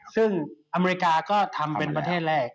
ซึ่งอเมริกาก็ทำเป็นประเทศแรก